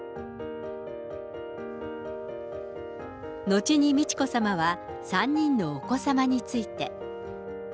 後に美智子さまは３人のお子様について。